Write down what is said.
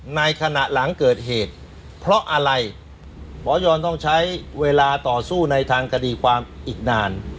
ในขณะหลังเกิดเหตุเพราะอะไรหมอยอนต้องใช้เวลาต่อสู้ในทางคดีความอีกนาน